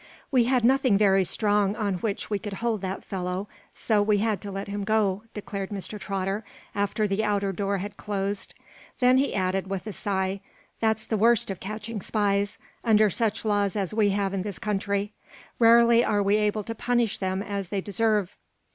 "We had nothing very strong on which we could hold that fellow, so we had to let him go," declared Mr. Trotter, after the outer door had closed. Then he added, with a sigh: "That's the worst of catching spies, under such laws as we have in this country. Rarely are we able to punish them as they deserve."